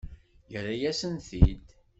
Yerra-yasen-t-id.